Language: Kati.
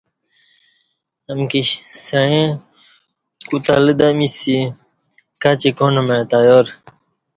امکی سعیئں کو تلہ دمیسی کاچی کاݨ مع تیار